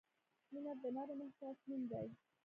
• مینه د نرم احساس نوم دی.